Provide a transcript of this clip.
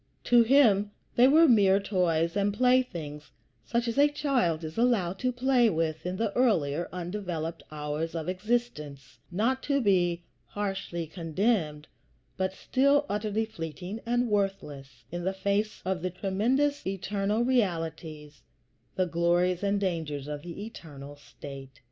To him they were mere toys and playthings, such as a child is allowed to play with in the earlier, undeveloped hours of existence; not to be harshly condemned, but still utterly fleeting and worthless in the face of the tremendous eternal realities, the glories and the dangers of the eternal state.